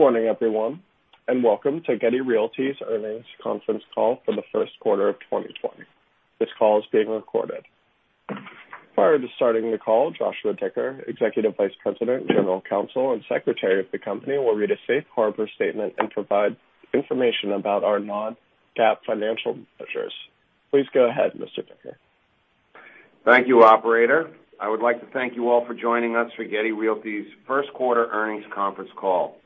Good morning, everyone. Welcome to Getty Realty's earnings conference call for the first quarter of 2020. This call is being recorded. Prior to starting the call, Joshua Dicker, Executive Vice President, General Counsel, and Secretary of the company, will read a safe harbor statement and provide information about our non-GAAP financial measures. Please go ahead, Mr. Dicker. Thank you, operator. I would like to thank you all for joining us for Getty Realty's first quarter earnings conference call.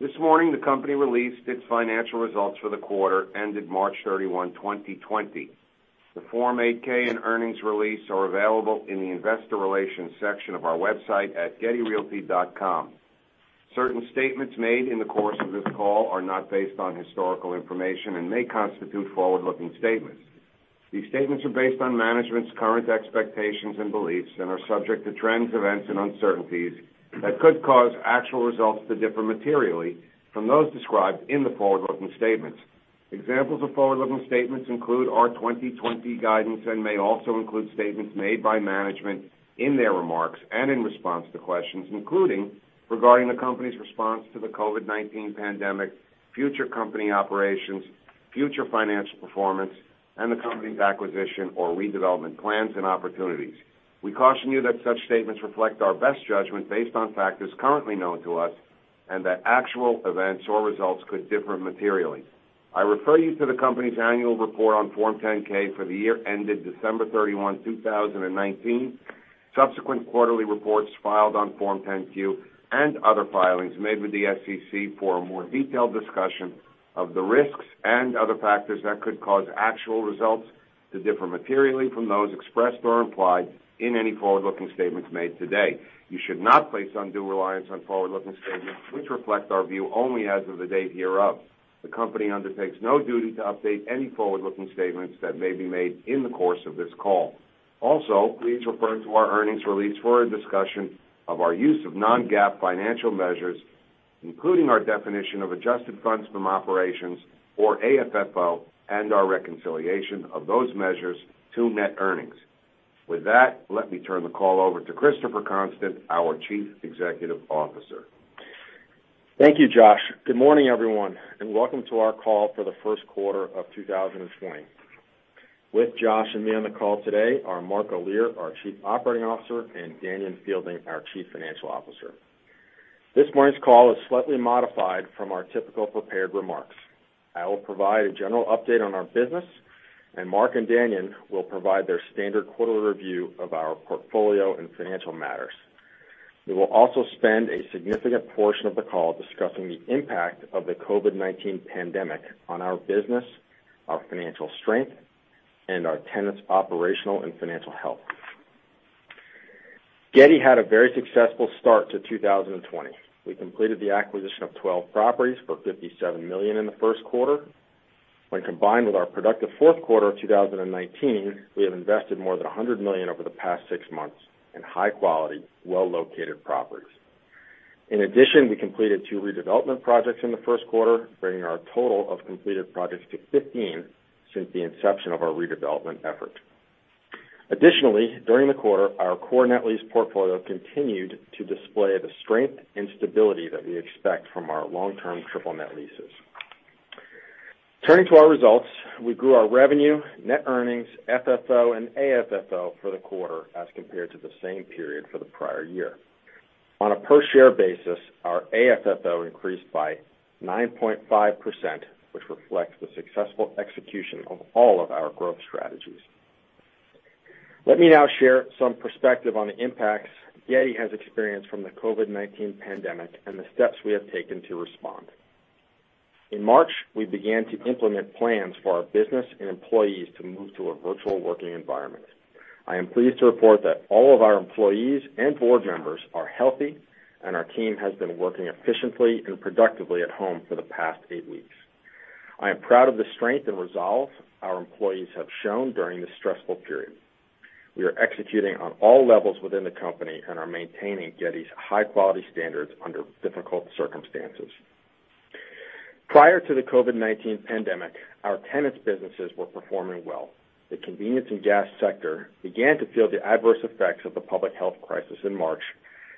This morning, the company released its financial results for the quarter ended March 31, 2020. The Form 8-K and earnings release are available in the investor relations section of our website at gettyrealty.com. Certain statements made in the course of this call are not based on historical information and may constitute forward-looking statements. These statements are based on management's current expectations and beliefs and are subject to trends, events, and uncertainties that could cause actual results to differ materially from those described in the forward-looking statements. Examples of forward-looking statements include our 2020 guidance and may also include statements made by management in their remarks and in response to questions, including regarding the company's response to the COVID-19 pandemic, future company operations, future financial performance, and the company's acquisition or redevelopment plans and opportunities. We caution you that such statements reflect our best judgment based on factors currently known to us, and that actual events or results could differ materially. I refer you to the company's annual report on Form 10-K for the year ended December 31, 2019, subsequent quarterly reports filed on Form 10-Q, and other filings made with the SEC for a more detailed discussion of the risks and other factors that could cause actual results to differ materially from those expressed or implied in any forward-looking statements made today. You should not place undue reliance on forward-looking statements, which reflect our view only as of the date hereof. The company undertakes no duty to update any forward-looking statements that may be made in the course of this call. Please refer to our earnings release for a discussion of our use of non-GAAP financial measures, including our definition of adjusted funds from operations, or AFFO, and our reconciliation of those measures to net earnings. With that, let me turn the call over to Christopher Constant, our Chief Executive Officer. Thank you, Josh. Good morning, everyone. Welcome to our call for the first quarter of 2020. With Josh and me on the call today are Mark Olear, our Chief Operating Officer, and Danion Fielding, our Chief Financial Officer. This morning's call is slightly modified from our typical prepared remarks. I will provide a general update on our business. Mark and Danion will provide their standard quarterly review of our portfolio and financial matters. We will also spend a significant portion of the call discussing the impact of the COVID-19 pandemic on our business, our financial strength, and our tenants' operational and financial health. Getty had a very successful start to 2020. We completed the acquisition of 12 properties for $57 million in the first quarter. When combined with our productive fourth quarter of 2019, we have invested more than $100 million over the past six months in high-quality, well-located properties. In addition, we completed two redevelopment projects in the first quarter, bringing our total of completed projects to 15 since the inception of our redevelopment effort. Additionally, during the quarter, our core net lease portfolio continued to display the strength and stability that we expect from our long-term triple net leases. Turning to our results, we grew our revenue, net earnings, FFO, and AFFO for the quarter as compared to the same period for the prior year. On a per-share basis, our AFFO increased by 9.5%, which reflects the successful execution of all of our growth strategies. Let me now share some perspective on the impacts Getty has experienced from the COVID-19 pandemic and the steps we have taken to respond. In March, we began to implement plans for our business and employees to move to a virtual working environment. I am pleased to report that all of our employees and Board members are healthy, and our team has been working efficiently and productively at home for the past eight weeks. I am proud of the strength and resolve our employees have shown during this stressful period. We are executing on all levels within the company and are maintaining Getty's high-quality standards under difficult circumstances. Prior to the COVID-19 pandemic, our tenants' businesses were performing well. The convenience and gas sector began to feel the adverse effects of the public health crisis in March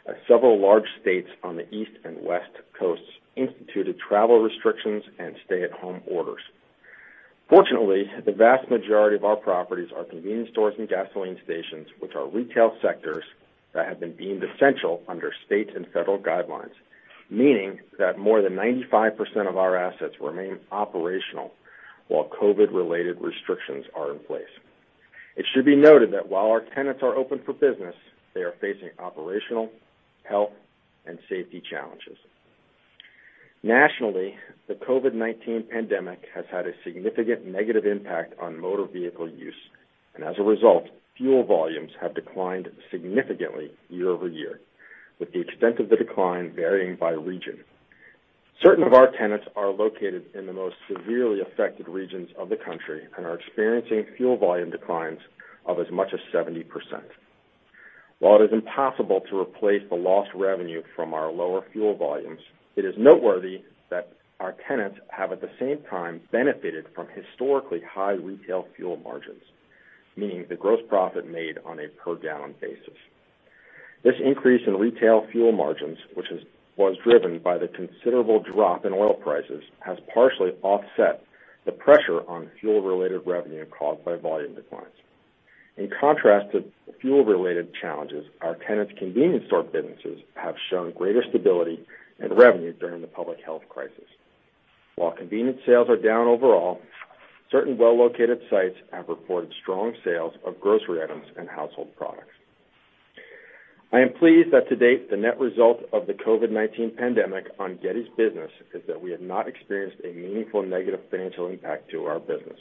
as several large states on the East and West coasts instituted travel restrictions and stay-at-home orders. Fortunately, the vast majority of our properties are convenience stores and gasoline stations, which are retail sectors that have been deemed essential under state and federal guidelines, meaning that more than 95% of our assets remain operational while COVID-related restrictions are in place. It should be noted that while our tenants are open for business, they are facing operational, health, and safety challenges. Nationally, the COVID-19 pandemic has had a significant negative impact on motor vehicle use, and as a result, fuel volumes have declined significantly year-over-year, with the extent of the decline varying by region. Certain of our tenants are located in the most severely affected regions of the country and are experiencing fuel volume declines of as much as 70%. While it is impossible to replace the lost revenue from our lower fuel volumes, it is noteworthy that our tenants have at the same time benefited from historically high retail fuel margins. Meaning the gross profit made on a per gallon basis. This increase in retail fuel margins, which was driven by the considerable drop in oil prices, has partially offset the pressure on fuel-related revenue caused by volume declines. In contrast to fuel-related challenges, our tenants' convenience store businesses have shown greater stability in revenue during the public health crisis. While convenience sales are down overall, certain well-located sites have reported strong sales of grocery items and household products. I am pleased that to date, the net result of the COVID-19 pandemic on Getty's business is that we have not experienced a meaningful negative financial impact to our business.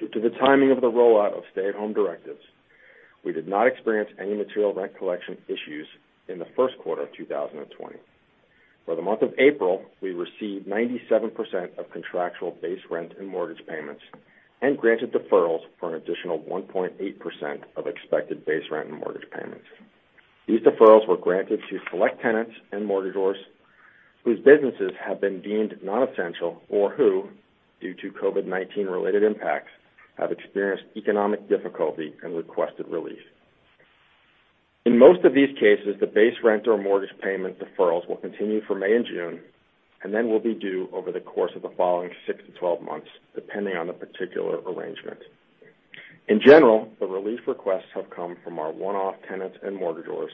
Due to the timing of the rollout of stay-at-home directives, we did not experience any material rent collection issues in the first quarter of 2020. For the month of April, we received 97% of contractual base rent and mortgage payments and granted deferrals for an additional 1.8% of expected base rent and mortgage payments. These deferrals were granted to select tenants and mortgage holders whose businesses have been deemed non-essential or who, due to COVID-19 related impacts, have experienced economic difficulty and requested relief. In most of these cases, the base rent or mortgage payment deferrals will continue for May and June, and then will be due over the course of the following 6-12 months, depending on the particular arrangement. In general, the relief requests have come from our one-off tenants and mortgage holders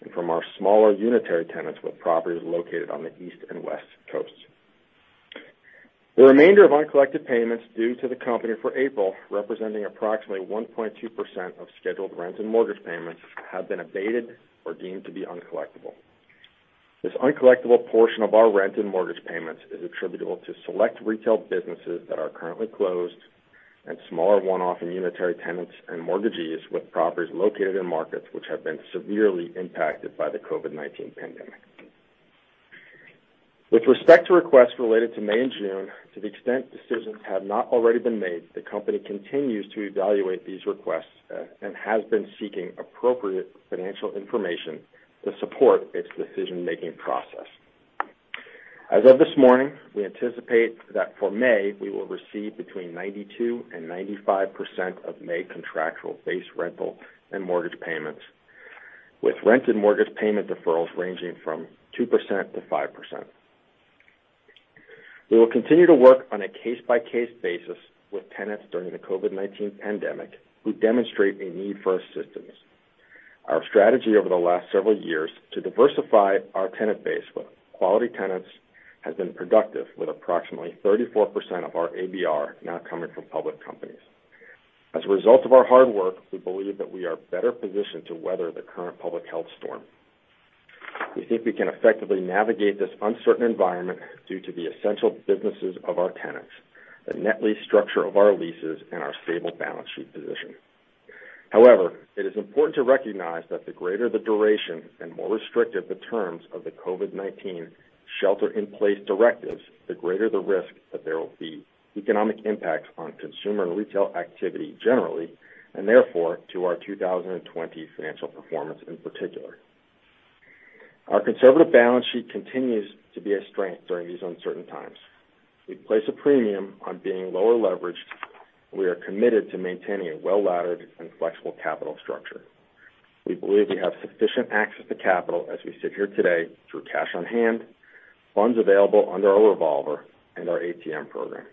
and from our smaller unitary tenants with properties located on the East and West coasts. The remainder of uncollected payments due to the company for April, representing approximately 1.2% of scheduled rent and mortgage payments, have been abated or deemed to be uncollectible. This uncollectible portion of our rent and mortgage payments is attributable to select retail businesses that are currently closed and smaller one-off and unitary tenants and mortgagees with properties located in markets which have been severely impacted by the COVID-19 pandemic. With respect to requests related to May and June, to the extent decisions have not already been made, the company continues to evaluate these requests, and has been seeking appropriate financial information to support its decision-making process. As of this morning, we anticipate that for May, we will receive between 92% and 95% of May contractual base rental and mortgage payments, with rent and mortgage payment deferrals ranging from 2%-5%. We will continue to work on a case-by-case basis with tenants during the COVID-19 pandemic who demonstrate a need for assistance. Our strategy over the last several years to diversify our tenant base with quality tenants has been productive, with approximately 34% of our ABR now coming from public companies. As a result of our hard work, we believe that we are better positioned to weather the current public health storm. We think we can effectively navigate this uncertain environment due to the essential businesses of our tenants, the net lease structure of our leases, and our stable balance sheet position. However, it is important to recognize that the greater the duration and more restrictive the terms of the COVID-19 shelter-in-place directives, the greater the risk that there will be economic impact on consumer and retail activity generally, and therefore, to our 2020 financial performance in particular. Our conservative balance sheet continues to be a strength during these uncertain times. We place a premium on being lower leveraged. We are committed to maintaining a well-laddered and flexible capital structure. We believe we have sufficient access to capital as we sit here today through cash on hand, funds available under our revolver, and our ATM program.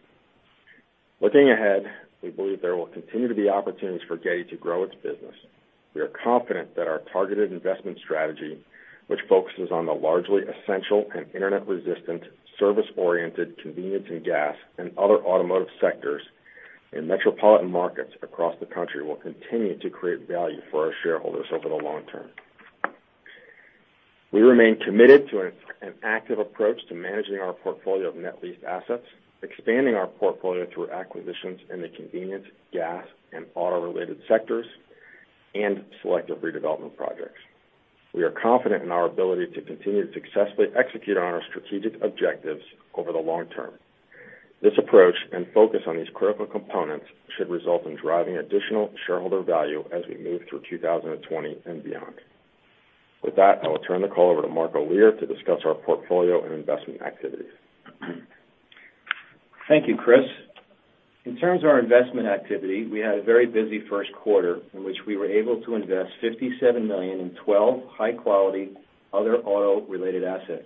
Looking ahead, we believe there will continue to be opportunities for Getty to grow its business. We are confident that our targeted investment strategy, which focuses on the largely essential and internet-resistant, service-oriented, convenience and gas, and other automotive sectors in metropolitan markets across the country, will continue to create value for our shareholders over the long term. We remain committed to an active approach to managing our portfolio of net leased assets, expanding our portfolio through acquisitions in the convenience, gas, and auto-related sectors, and selective redevelopment projects. We are confident in our ability to continue to successfully execute on our strategic objectives over the long term. This approach and focus on these critical components should result in driving additional shareholder value as we move through 2020 and beyond. With that, I will turn the call over to Mark Olear to discuss our portfolio and investment activities. Thank you, Chris. In terms of our investment activity, we had a very busy first quarter in which we were able to invest $57 million in 12 high-quality other auto-related assets.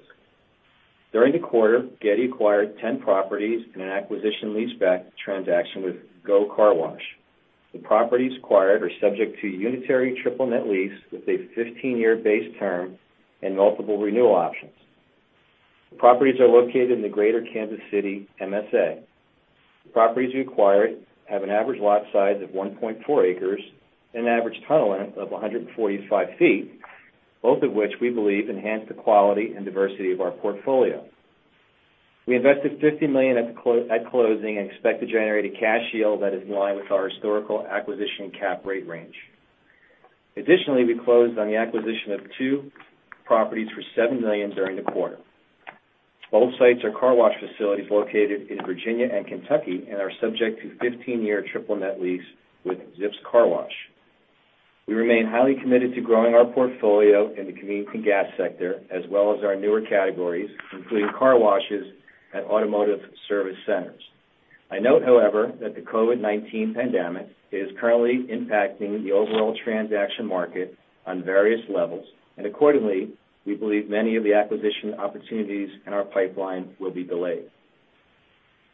During the quarter, Getty acquired 10 properties in an acquisition leaseback transaction with Go Car Wash. The properties acquired are subject to a unitary triple net lease with a 15-year base term and multiple renewal options. The properties are located in the greater Kansas City MSA. The properties acquired have an average lot size of 1.4 acres and an average tunnel length of 145 ft, both of which we believe enhance the quality and diversity of our portfolio. We invested $50 million at closing and expect to generate a cash yield that is in line with our historical acquisition cap rate range. Additionally, we closed on the acquisition of two properties for $7 million during the quarter. Both sites are car wash facilities located in Virginia and Kentucky and are subject to 15-year triple net lease with Zips Car Wash. We remain highly committed to growing our portfolio in the convenience and gas sector, as well as our newer categories, including car washes and automotive service centers. I note, however, that the COVID-19 pandemic is currently impacting the overall transaction market on various levels, and accordingly, we believe many of the acquisition opportunities in our pipeline will be delayed.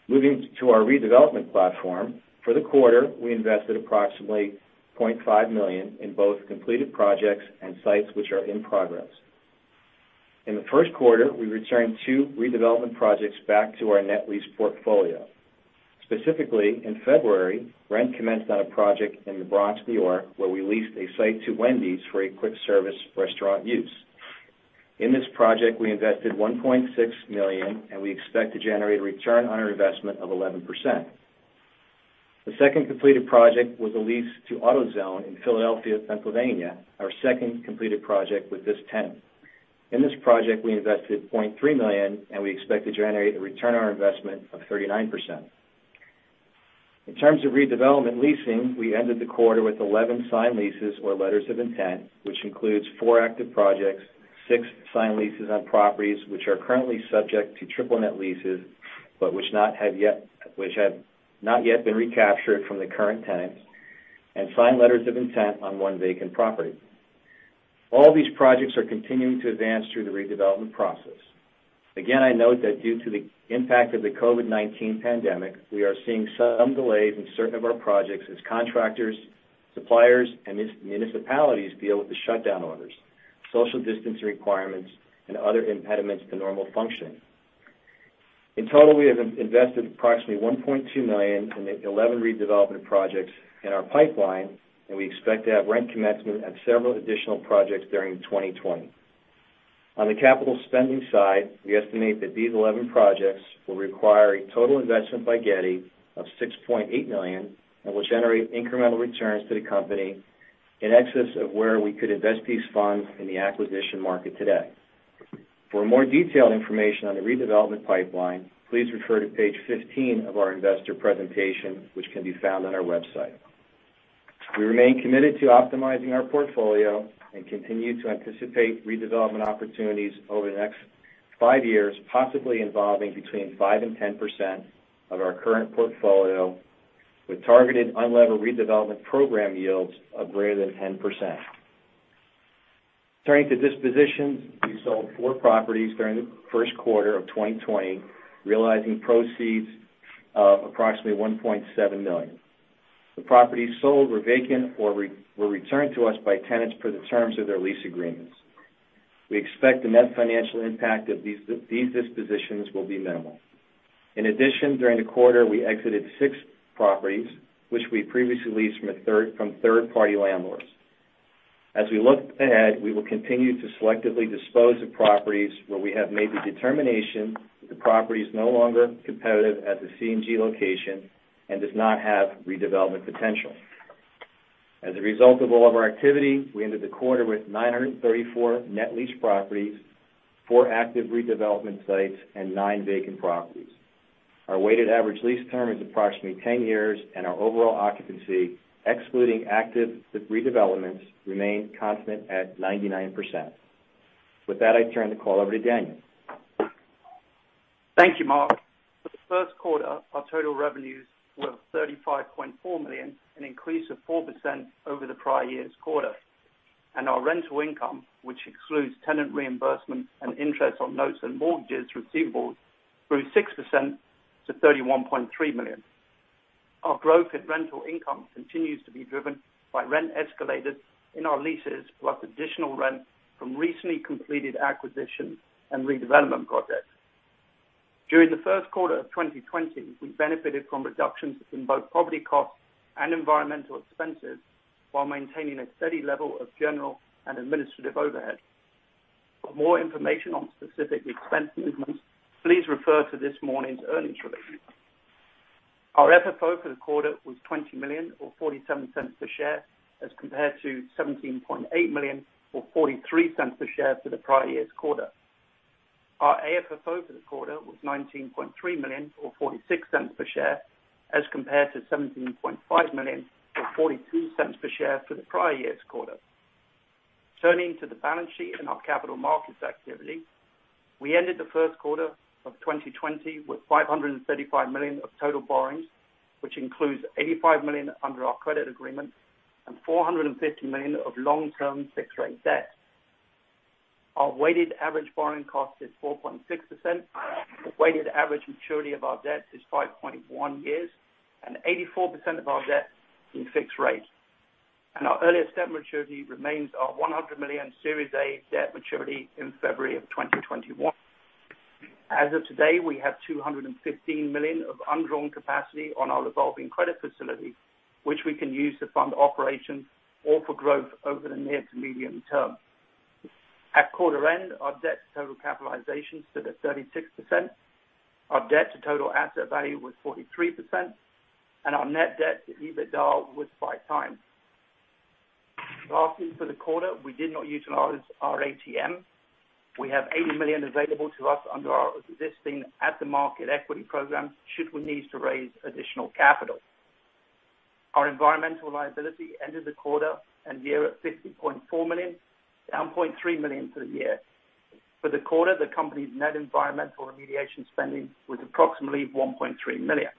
Moving to our redevelopment platform, for the quarter, we invested approximately $0.5 million in both completed projects and sites which are in progress. In the first quarter, we returned two redevelopment projects back to our net lease portfolio. Specifically, in February, rent commenced on a project in the Bronx, New York, where we leased a site to Wendy's for a quick-service restaurant use. In this project, we invested $1.6 million, and we expect to generate a return on our investment of 11%. The second completed project was a lease to AutoZone in Philadelphia, Pennsylvania, our second completed project with this tenant. In this project, we invested $0.3 million, and we expect to generate a return on our investment of 39%. In terms of redevelopment leasing, we ended the quarter with 11 signed leases or letters of intent, which includes four active projects, six signed leases on properties which are currently subject to triple net leases, but which have not yet been recaptured from the current tenants, and signed letters of intent on one vacant property. All these projects are continuing to advance through the redevelopment process. Again, I note that due to the impact of the COVID-19 pandemic, we are seeing some delays in certain of our projects as contractors, suppliers, and municipalities deal with the shutdown orders, social distancing requirements, and other impediments to normal functioning. In total, we have invested approximately $1.2 million in the 11 redevelopment projects in our pipeline, and we expect to have rent commencement at several additional projects during 2020. On the capital spending side, we estimate that these 11 projects will require a total investment by Getty of $6.8 million and will generate incremental returns to the company in excess of where we could invest these funds in the acquisition market today. For more detailed information on the redevelopment pipeline, please refer to page 15 of our investor presentation, which can be found on our website. We remain committed to optimizing our portfolio and continue to anticipate redevelopment opportunities over the next five years, possibly involving between 5% and 10% of our current portfolio with targeted unlevered redevelopment program yields of greater than 10%. Turning to dispositions, we sold four properties during the first quarter of 2020, realizing proceeds of approximately $1.7 million. The properties sold were vacant or were returned to us by tenants per the terms of their lease agreements. We expect the net financial impact of these dispositions will be minimal. In addition, during the quarter, we exited six properties, which we previously leased from third-party landlords. As we look ahead, we will continue to selectively dispose of properties where we have made the determination that the property is no longer competitive as a C&G location and does not have redevelopment potential. As a result of all of our activity, we ended the quarter with 934 net leased properties, four active redevelopment sites, and nine vacant properties. Our weighted average lease term is approximately 10 years, and our overall occupancy, excluding active redevelopments, remains constant at 99%. With that, I turn the call over to Danion. Thank you, Mark. For the first quarter, our total revenues were $35.4 million, an increase of 4% over the prior year's quarter. Our rental income, which excludes tenant reimbursement and interest on notes and mortgages receivables, grew 6% to $31.3 million. Our growth in rental income continues to be driven by rent escalated in our leases, plus additional rent from recently completed acquisitions and redevelopment projects. During the first quarter of 2020, we benefited from reductions in both property costs and environmental expenses while maintaining a steady level of general and administrative overhead. For more information on specific expense movements, please refer to this morning's earnings release. Our FFO for the quarter was $20 million, or $0.47 per share, as compared to $17.8 million, or $0.43 per share for the prior year's quarter. Our AFFO for the quarter was $19.3 million or $0.46 per share as compared to $17.5 million or $0.42 per share for the prior year's quarter. Turning to the balance sheet and our capital markets activity, we ended the first quarter of 2020 with $535 million of total borrowings, which includes $85 million under our credit agreement and $450 million of long-term fixed-rate debt. Our weighted average borrowing cost is 4.6%. The weighted average maturity of our debt is 5.1 years, and 84% of our debt is fixed rate. Our earliest debt maturity remains our $100 million Series A debt maturity in February of 2021. As of today, we have $215 million of undrawn capacity on our revolving credit facility, which we can use to fund operations or for growth over the near to medium term. At quarter end, our debt to total capitalization stood at 36%. Our debt to total asset value was 43%, and our net debt to EBITDA was 5x. Lastly, for the quarter, we did not utilize our ATM. We have $80 million available to us under our existing at-the-market equity program, should we need to raise additional capital. Our environmental liability ended the quarter and year at $50.4 million, down $0.3 million for the year. For the quarter, the company's net environmental remediation spending was approximately $1.3 million.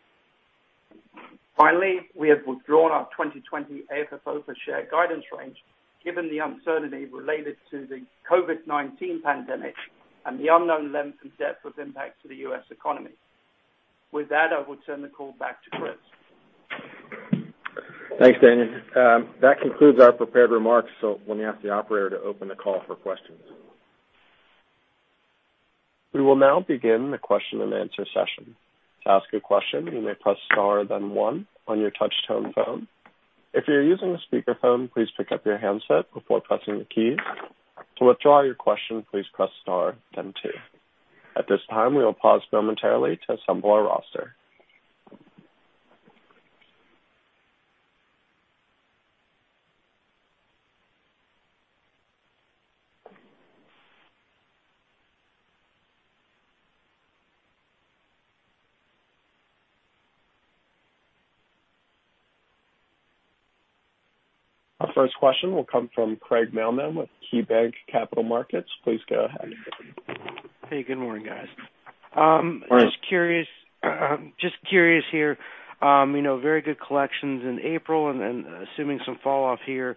Finally, we have withdrawn our 2020 AFFO per share guidance range, given the uncertainty related to the COVID-19 pandemic and the unknown length and depth of impact to the U.S. economy. With that, I will turn the call back to Chris. Thanks, Danion. That concludes our prepared remarks. Let me ask the operator to open the call for questions. We will now begin the question-and-answer session. To ask a question, you may press star then one on your touch-tone phone. If you're using a speakerphone, please pick up your handset before pressing the key. To withdraw your question, please press star then two. At this time, we will pause momentarily to assemble our roster. Our first question will come from Craig Mailman with KeyBanc Capital Markets. Please go ahead. Hey, good morning, guys. Morning. Just curious here, very good collections in April, assuming some fall off here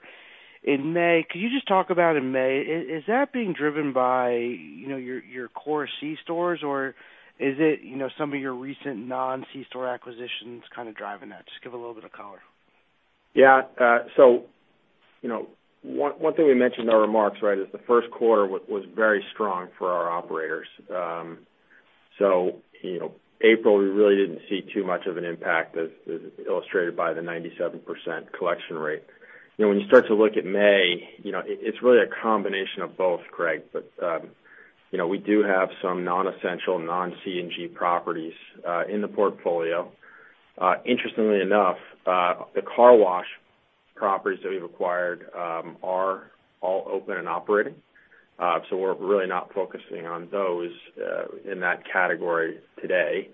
in May. Could you just talk about in May, is that being driven by your core C-stores, or is it some of your recent non-C-store acquisitions kind of driving that? Just give a little bit of color. One thing we mentioned in our remarks, is the first quarter was very strong for our operators. April, we really didn't see too much of an impact as illustrated by the 97% collection rate. When you start to look at May, it's really a combination of both, Craig. We do have some non-essential, non C&G properties in the portfolio. Interestingly enough, the car wash properties that we've acquired are all open and operating. We're really not focusing on those in that category today.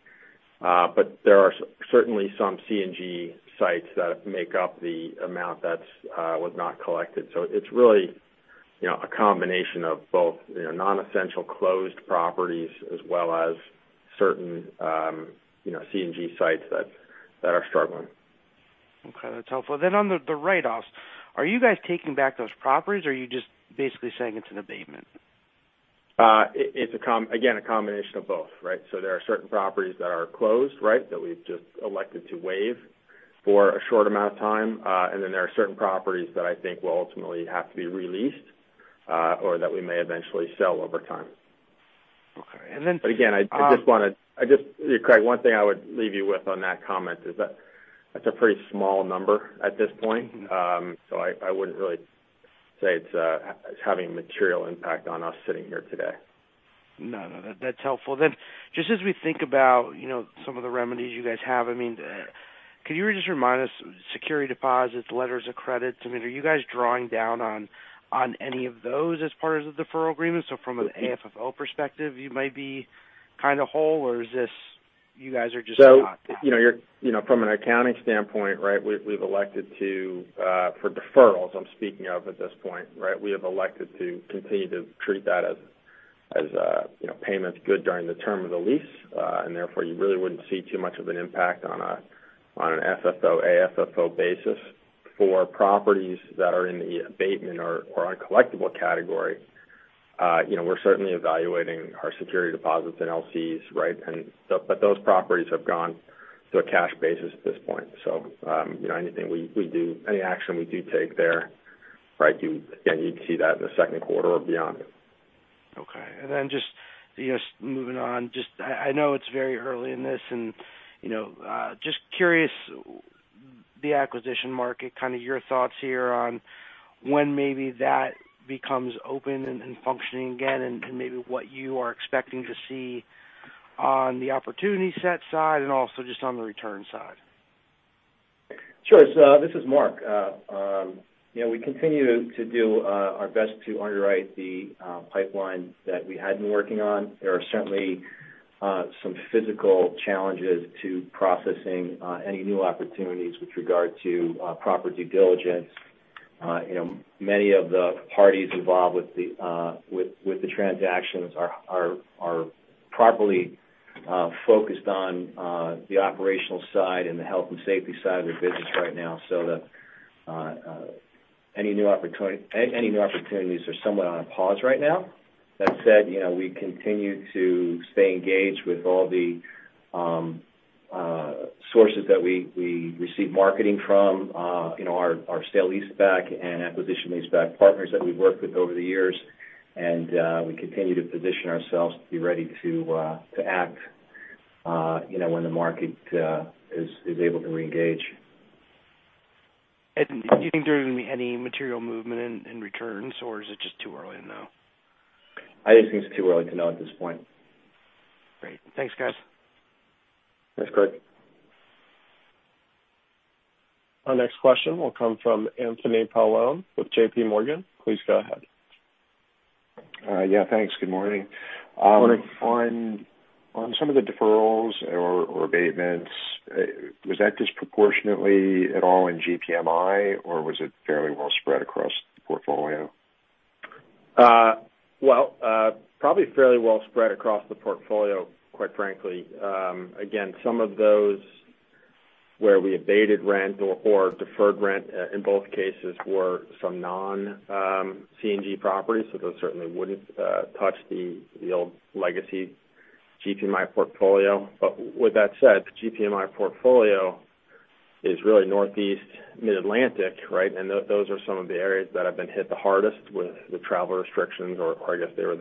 There are certainly some C&G sites that make up the amount that was not collected. It's really a combination of both non-essential closed properties as well as certain C&G sites that are struggling. Okay. That's helpful. On the write-offs, are you guys taking back those properties, or are you just basically saying it's an abatement? It's, again, a combination of both. There are certain properties that are closed that we've just elected to waive for a short amount of time. There are certain properties that I think will ultimately have to be re-leased, or that we may eventually sell over time. Okay. Again, Craig, one thing I would leave you with on that comment is that that's a pretty small number at this point. I wouldn't really say it's having a material impact on us sitting here today. No, that's helpful. Just as we think about some of the remedies you guys have, can you just remind us, security deposits, Letters of Credit, are you guys drawing down on any of those as part of the deferral agreement? From an AFFO perspective, you may be kind of whole, or is this you guys are just not there? From an accounting standpoint, we've elected to for deferrals, I'm speaking of at this point. We have elected to continue to treat that as payments good during the term of the lease. Therefore, you really wouldn't see too much of an impact on an FFO, AFFO basis for properties that are in the abatement or uncollectible category. We're certainly evaluating our security deposits and LCs. Those properties have gone to a cash basis at this point. Any action we do take there, again, you'd see that in the second quarter or beyond. Okay. Just moving on. I know it's very early in this, and just curious, the acquisition market, kind of your thoughts here on when maybe that becomes open and functioning again, and maybe what you are expecting to see on the opportunity set side and also just on the return side. Sure. This is Mark. We continue to do our best to underwrite the pipeline that we had been working on. There are certainly some physical challenges to processing any new opportunities with regard to proper due diligence. Many of the parties involved with the transactions are properly focused on the operational side and the health and safety side of their business right now. Any new opportunities are somewhat on a pause right now. That said, we continue to stay engaged with all the sources that we receive marketing from our sale leaseback and acquisition leaseback partners that we've worked with over the years. We continue to position ourselves to be ready to act when the market is able to reengage. Do you think there's any material movement in returns, or is it just too early to know? I just think it's too early to know at this point. Great. Thanks, guys. Thanks, Craig. Our next question will come from Anthony Paolone with JPMorgan. Please go ahead. Yeah, thanks. Good morning. Morning. On some of the deferrals or abatements, was that disproportionately at all in GPMI, or was it fairly well spread across the portfolio? Well, probably fairly well spread across the portfolio, quite frankly. Some of those where we abated rent or deferred rent, in both cases, were some non-C&G properties, so those certainly wouldn't touch the old legacy GPMI portfolio. With that said, the GPMI portfolio is really Northeast Mid-Atlantic, right? Those are some of the areas that have been hit the hardest with the travel restrictions, or I guess they were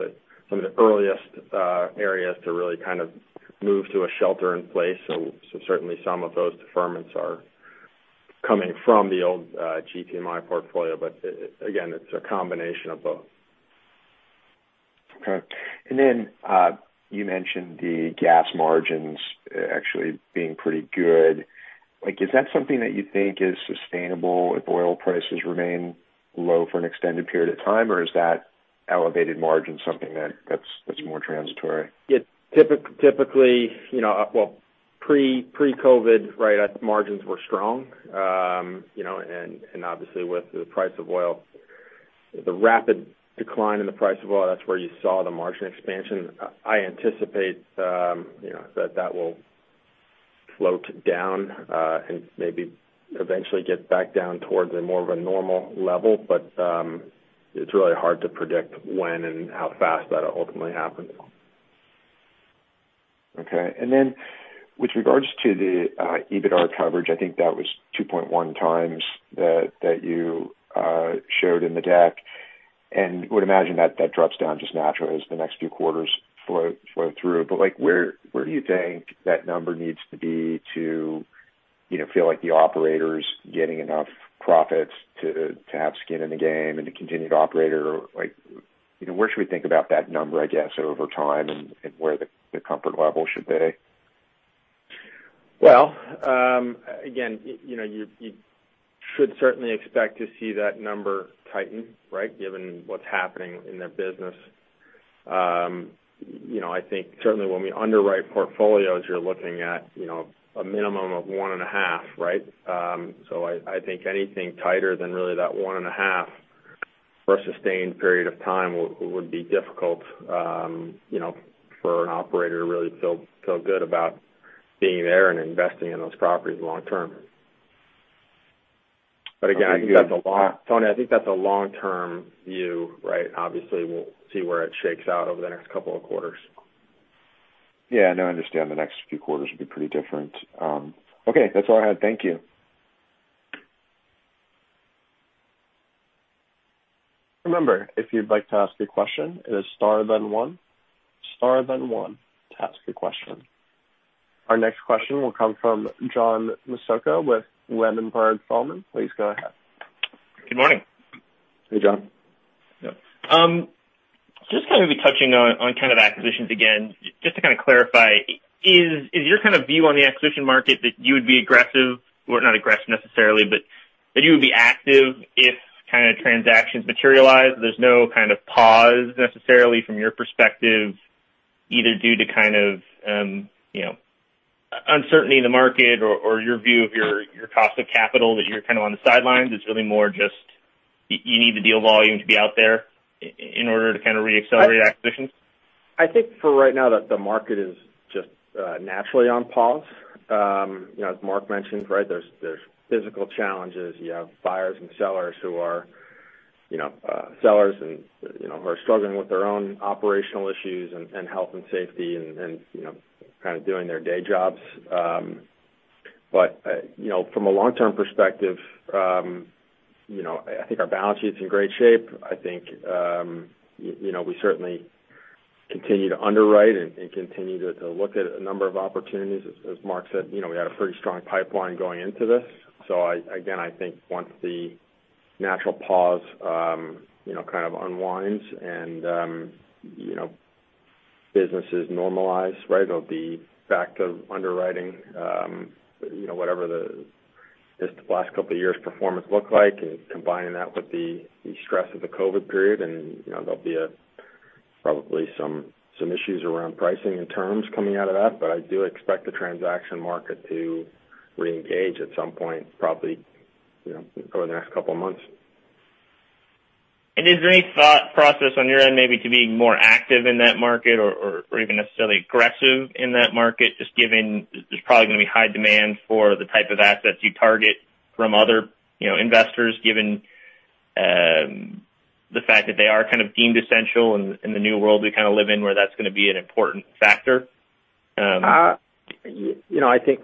some of the earliest areas to really kind of move to a shelter in place. Certainly some of those deferments are coming from the old GPMI portfolio, but again, it's a combination of both. Okay. You mentioned the gas margins actually being pretty good. Is that something that you think is sustainable if oil prices remain low for an extended period of time, or is that elevated margin something that's more transitory? Yeah. Typically, pre-COVID, right, margins were strong. Obviously with the price of oil, the rapid decline in the price of oil, that's where you saw the margin expansion. I anticipate that that will float down, and maybe eventually get back down towards a more of a normal level. It's really hard to predict when and how fast that'll ultimately happen. Okay. Then with regards to the EBITDA coverage, I think that was 2.1x that you showed in the deck, and would imagine that drops down just naturally as the next few quarters flow through. Where do you think that number needs to be to feel like the operator's getting enough profits to have skin in the game and to continue to operate, or where should we think about that number, I guess, over time and where the comfort level should be? Well, again, you should certainly expect to see that number tighten, right, given what's happening in their business. I think certainly when we underwrite portfolios, you're looking at a minimum of 1.5, right? I think anything tighter than really that 1.5. for a sustained period of time would be difficult for an operator to really feel good about being there and investing in those properties long term. Again, Tony, I think that's a long term view, right? Obviously, we'll see where it shakes out over the next couple of quarters. No, I understand the next few quarters will be pretty different. Okay. That's all I had. Thank you. Remember, if you'd like to ask a question, it is star, then one. Star, then one to ask a question. Our next question will come from John Massocca with Ladenburg Thalmann. Please go ahead. Good morning. Hey, John. Yep. Just kind of touching on kind of acquisitions again. Just to kind of clarify, is your kind of view on the acquisition market that you would be aggressive, or not aggressive necessarily, but that you would be active if transactions materialize? There's no kind of pause necessarily from your perspective, either due to kind of uncertainty in the market or your view of your cost of capital that you're kind of on the sidelines? It's really more just you need the deal volume to be out there in order to kind of re-accelerate acquisitions? I think for right now the market is just naturally on pause. As Mark mentioned, right, there's physical challenges. You have buyers and sellers who are struggling with their own operational issues and health and safety and kind of doing their day jobs. From a long-term perspective, I think our balance sheet's in great shape. I think we certainly continue to underwrite and continue to look at a number of opportunities. As Mark said, we had a pretty strong pipeline going into this. Again, I think once the natural pause kind of unwinds and businesses normalize, right? There'll be the fact of underwriting whatever this last couple of years' performance looked like and combining that with the stress of the COVID period, and there'll be probably some issues around pricing and terms coming out of that. I do expect the transaction market to reengage at some point, probably over the next couple of months. Is there any thought process on your end maybe to being more active in that market or even necessarily aggressive in that market, just given there's probably going to be high demand for the type of assets you target from other investors, given the fact that they are kind of deemed essential in the new world we kind of live in, where that's going to be an important factor? I think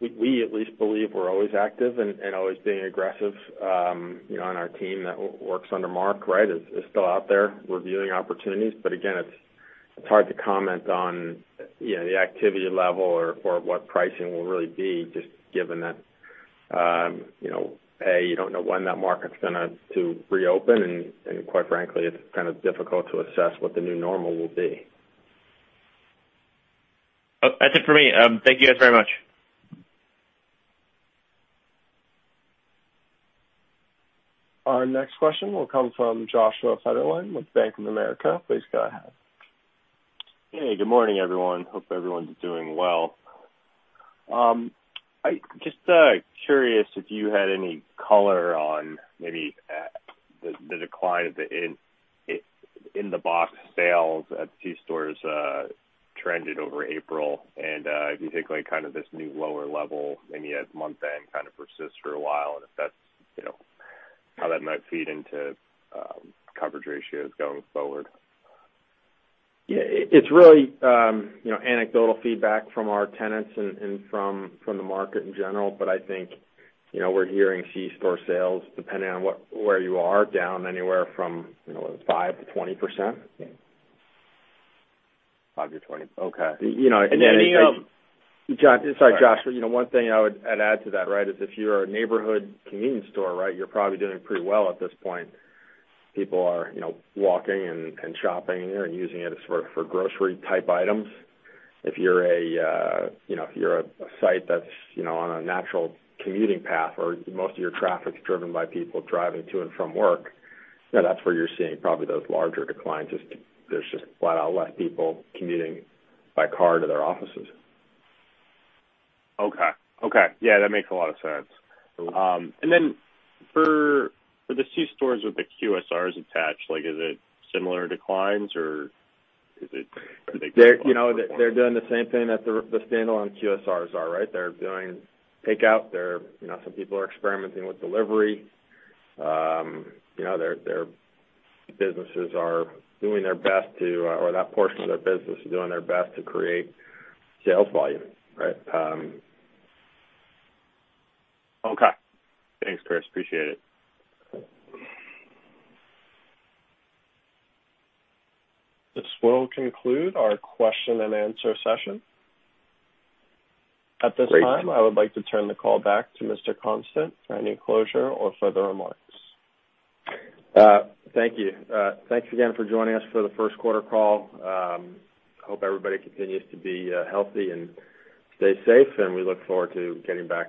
we at least believe we're always active and always being aggressive on our team that works under Mark, right, is still out there reviewing opportunities. Again, it's hard to comment on the activity level or what pricing will really be just given that, A, you don't know when that market's going to reopen, and quite frankly, it's kind of difficult to assess what the new normal will be. Oh, that's it for me. Thank you guys very much. Our next question will come from Joshua Dennerlein with Bank of America. Please go ahead. Hey, good morning, everyone. Hope everyone's doing well. Just curious if you had any color on maybe the decline of the in-the-box sales at C-stores trended over April, and if you think this new lower level maybe at month-end kind of persists for a while and how that might feed into coverage ratios going forward? Yeah. It's really anecdotal feedback from our tenants and from the market in general, but I think we're hearing C-store sales, depending on where you are, down anywhere from 5%-20%. 5%-20%. Okay. You know. And then any- Sorry, Joshua. One thing I would add to that, is if you're a neighborhood convenience store, you're probably doing pretty well at this point. People are walking and shopping there and using it for grocery-type items. If you're a site that's on a natural commuting path or most of your traffic's driven by people driving to and from work, that's where you're seeing probably those larger declines. There's just flat out less people commuting by car to their offices. Okay. Yeah, that makes a lot of sense. For the C-stores with the QSRs attached, is it similar declines or are they performing? They're doing the same thing that the standalone QSRs are. They're doing takeout. Some people are experimenting with delivery. That portion of their business is doing their best to create sales volume. Okay. Thanks, Chris. Appreciate it. This will conclude our question and answer session. Great. At this time, I would like to turn the call back to Mr. Constant for any closure or further remarks. Thank you. Thanks again for joining us for the first quarter call. Hope everybody continues to be healthy and stay safe. We look forward to getting back to.